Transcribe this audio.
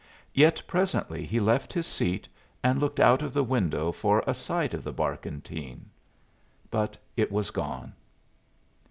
Yet presently he left his seat and looked out of the window for a sight of the barkentine; but it was gone.